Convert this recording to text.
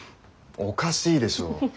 おかしいでしょう。